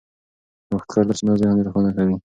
نوښتګر درسونه ذهن روښانه کوي.